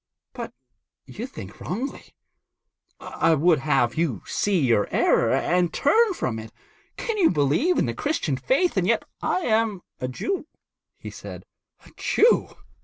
'But you think wrongly. I would have you see your error, and turn from it. Can you believe in the Christian faith and yet ' 'I am a Jew,' he said. 'A Jew!'